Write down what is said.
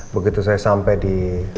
begitu saya sampai di